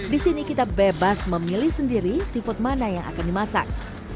di sini kita bebas memilih sendiri seafood mana yang akan dimasak